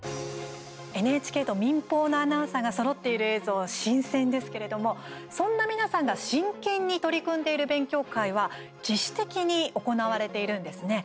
ＮＨＫと民放のアナウンサーがそろっている映像は新鮮ですけれどもそんな皆さんが真剣に取り組んでいる勉強会は自主的に行われているんですね。